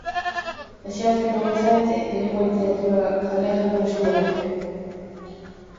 Exerce como docente de lingua e literatura galega no ensino medio.